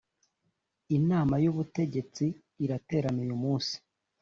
inama y ‘ubutegetsi iraterana uyu munsi